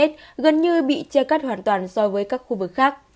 hai m gần như bị che cắt hoàn toàn so với các khu vực khác